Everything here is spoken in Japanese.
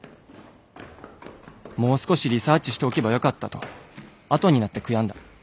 もう少しリサーチしておけばよかったとあとになって悔んだ。